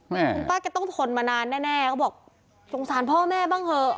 แม่คุณป้าแกต้องทนมานานแน่เขาบอกสงสารพ่อแม่บ้างเถอะ